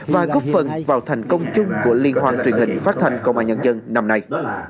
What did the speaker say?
và góp phần vào thành công chung của liên hoan truyền hình phát thanh công an nhân dân năm nay